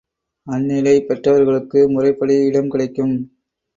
அந்நிலை பெற்றவர்களுக்கு, முறைப்படி இடம் கிடைக்கும்.